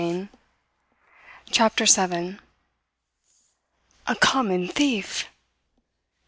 See?" CHAPTER SEVEN "A common thief!"